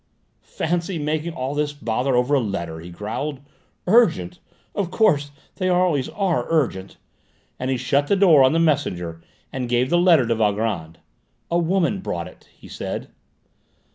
"Fancy making all this bother over a letter!" he growled. "Urgent? Of course: they always are urgent," and he shut the door on the messenger and gave the letter to Valgrand. "A woman brought it," he said.